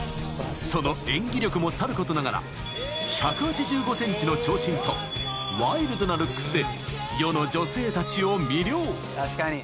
［その演技力もさることながら１８５ｃｍの長身とワイルドなルックスで世の女性たちを魅了］